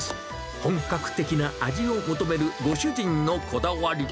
本格的な味を求めるご主人のこだわり。